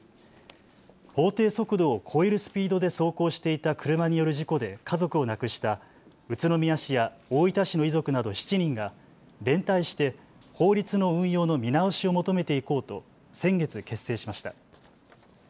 法定速度を超えるスピードで走行していた車による事故で家族を亡くした宇都宮市や大分市の遺族など７人が連帯して法律の運用の見直しを求めていこうと先月、結成しました。